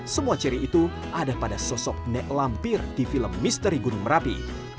semua ciri itu ada pada sosok nenek lampir di film misteri gunung merapi